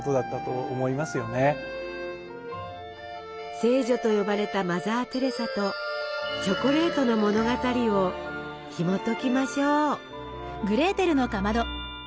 「聖女」と呼ばれたマザー・テレサとチョコレートの物語をひもときましょう。